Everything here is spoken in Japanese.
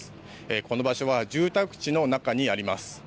この場所は住宅地の中にあります。